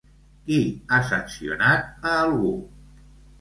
Qui ha sancionat a algú?